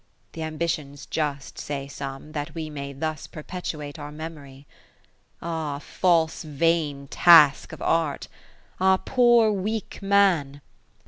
Th' ambition's just, say some, that we May thus perpetuate our memory. Ah false vain task of Art ! ah poor weak Man